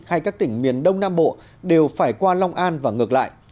hay các tỉnh miền đông nam bộ đều phải qua long an và ngược lại